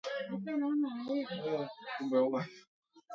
mia tisa sitini na sabaTarehe tano mwezi wa pili mwaka elfu moja mia